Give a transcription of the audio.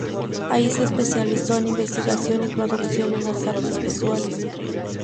Allí se especializó en investigación y producción en las artes visuales.